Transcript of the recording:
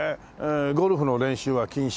「ゴルフの練習は禁止」